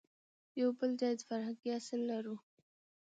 يو بل جايز فرهنګي اصل لرو